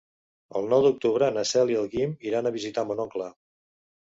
El nou d'octubre na Cel i en Guim iran a visitar mon oncle.